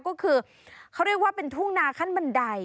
ก็คือเขาเรียกว่าเป็นทุ่งนาขั้นบันได